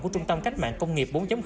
của trung tâm cách mạng công nghiệp bốn